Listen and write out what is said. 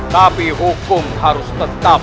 tapi hukum harus tetap